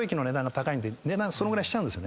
値段そのぐらいしちゃうんです。